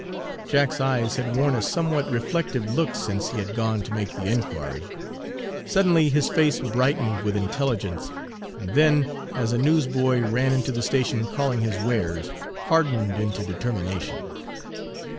Jack's eyes had worn a somewhat reflective look since he had gone to make the inquiry. Suddenly his face brightened with intelligence, and then, as a newsboy ran into the station calling his wares, hardened into determination.